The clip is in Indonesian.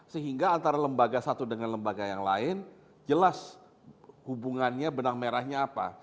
sehingga antara lembaga satu dengan lembaga yang lain jelas hubungannya benang merahnya apa